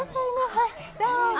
はいどうぞ。